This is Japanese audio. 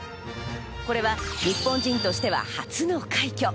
これは日本人としては初の快挙。